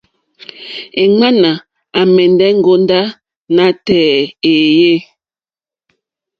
Èŋwánà àmɛ̀ndɛ́ ŋgòndá nátɛ̀ɛ̀ éèyé.